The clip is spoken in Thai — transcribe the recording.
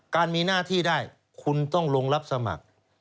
การมีหน้าที่ได้คุณต้องลงรับสมัคร